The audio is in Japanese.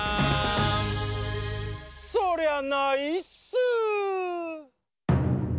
そりゃないっすー！